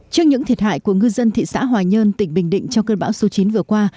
trước những thiệt hại của ngư dân thị xã hòa nhơn tỉnh bình định trong cơn bão số chín vừa qua